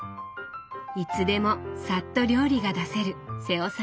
いつでもさっと料理が出せる瀬尾さんの知恵。